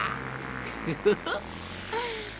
ウフフフ！